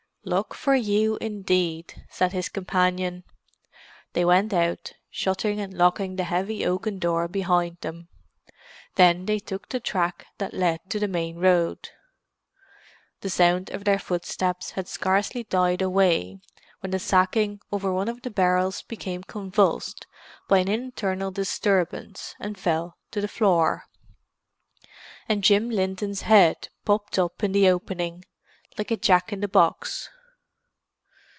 "Luck for you, indeed," said his companion. They went out, shutting and locking the heavy oaken door behind them. Then they took the track that led to the main road. The sound of their footsteps had scarcely died away when the sacking over one of the barrels became convulsed by an internal disturbance and fell to the floor; and Jim Linton's head popped up in the opening, like a Jack in the box.